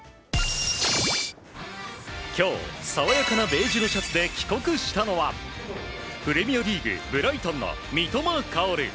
今日、爽やかなベージュのシャツで帰国したのはプレミアリーグブライトンの三笘薫。